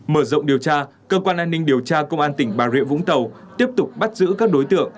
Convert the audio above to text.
mở rộng điều tra cơ quan an ninh điều tra công an tỉnh bà rịa vũng tàu tiếp tục bắt giữ các đối tượng